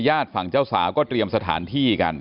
ฝั่งเจ้าสาวก็เตรียมสถานที่กัน